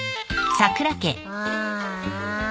ああ。